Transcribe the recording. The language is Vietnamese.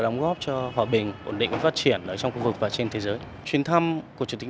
đóng góp cho hòa bình ổn định và phát triển ở trong khu vực và trên thế giới chuyến thăm của chủ tịch